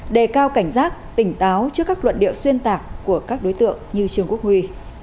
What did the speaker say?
đề cao cảnh giác tỉnh táo trước các luận điệu xuyên tạc của các đối tượng như trương quốc huy